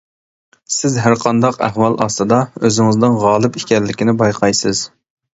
سىز ھەرقانداق ئەھۋال ئاستىدا ئۆزىڭىزنىڭ غالىب ئىكەنلىكىنى بايقايسىز.